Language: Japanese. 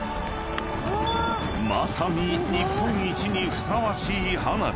［まさに日本一にふさわしい花火］